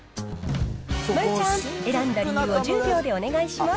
丸ちゃん、選んだ理由を１０秒でお願いします。